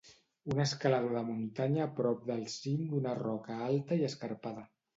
Un escalador de muntanya a prop del cim d'una roca alta i escarpada.